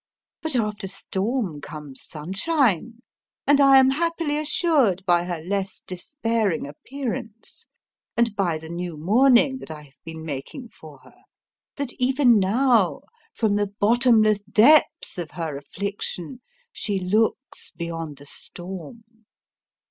But after storm comes sunshine: and I am happily assured by her less despairing appearance, and by the new mourning that I have been making for her, that even now, from the bottomless depth of her affliction, she looks beyond the storm."